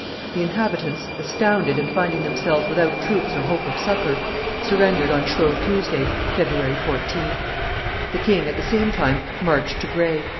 The inhabitants, astounded, and finding themselves without troops or hope of succor, surrendered on Shrove Tuesday, February 14. The king at the same time marched to Gray.